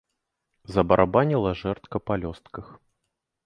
Забарабаніла жэрдка па лёстках.